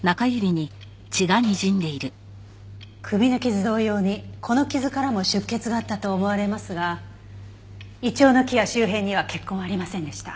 首の傷同様にこの傷からも出血があったと思われますがイチョウの木や周辺には血痕はありませんでした。